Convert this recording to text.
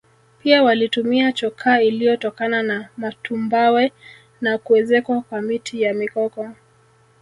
pia walitumia chokaa iliyotokana na matumbawe na kuezekwa kwa miti ya mikoko